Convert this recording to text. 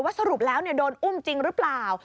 สรุปแล้วโดนอุ้มจริงหรือเปล่า